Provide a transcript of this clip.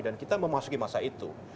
dan kita memasuki masa itu